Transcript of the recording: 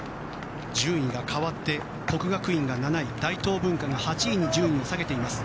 順位が変わって、國學院が７位大東文化が８位に順位を下げています。